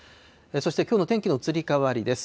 そしてきょうの天気の移り変わりです。